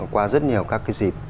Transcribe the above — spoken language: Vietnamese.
qua rất nhiều các cái dịp